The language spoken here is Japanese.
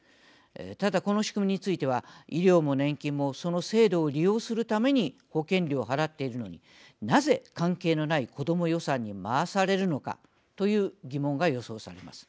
ただ、この仕組みについては医療も年金もその制度を利用するために保険料を払っているのになぜ、関係のないこども予算に回されるのかという疑問が予想されます。